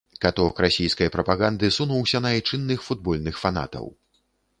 Каток расійскай прапаганды сунуўся на айчынных футбольных фанатаў.